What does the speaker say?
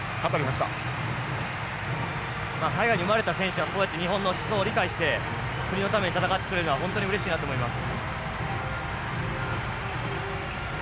まあ海外に生まれた選手はそうやって日本の思想を理解して国のために戦ってくれるのは本当にうれしいなと思います。